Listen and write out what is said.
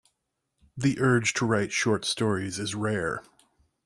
The urge to write short stories is rare.